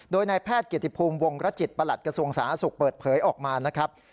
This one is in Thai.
โดยนายแพทย์เกียรติภูมิวงรจิตประหลัดกระทรวงสาธารณสุขเปิดเผยออกมานะครับ